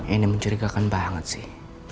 ini mencurigakan banget sih